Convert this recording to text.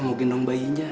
mas tak apa